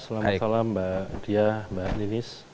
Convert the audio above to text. selamat malam mbak nidja